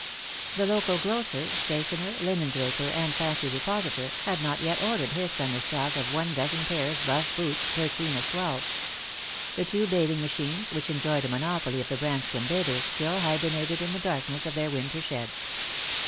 The local grocer, stationer, linendraper, and fancy repositor had not yet ordered his summer stock of one dozen pairs buff boots, thirteen as twelve. The two bathing machines which enjoyed a monopoly of the Branscomb bathers still hibernated in the darkness of their winter shed.